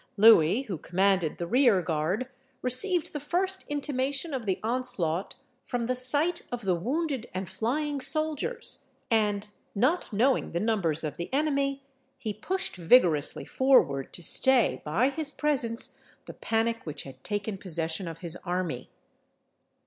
Louis, who commanded the rear guard, received the first intimation of the onslaught from the sight of the wounded and flying soldiers, and, not knowing the numbers of the enemy, he pushed vigorously forward to stay, by his presence, the panic which had taken possession of his army.